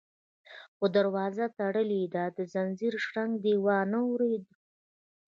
_خو دروازه تړلې ده، د ځنځير شرنګ دې وانه ورېد؟